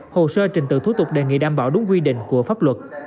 hồ sơ trình tựu thú tục đề nghị đảm bảo đúng quy định của pháp luật